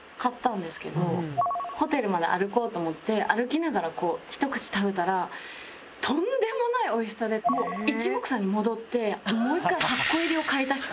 ホテルまで歩こうと思って歩きながらこうひと口食べたらとんでもない美味しさで一目散に戻ってもう一回８個入りを買い足した。